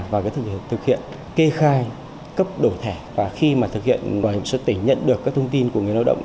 và thực hiện kê khai cấp đổi thẻ và khi mà thực hiện bảo hiểm xã hội tỉnh nhận được các thông tin của người lao động